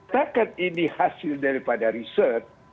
takkan ini hasil daripada riset